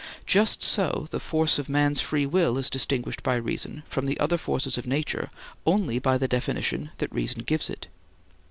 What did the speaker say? Just so the force of man's free will is distinguished by reason from the other forces of nature only by the definition reason gives it.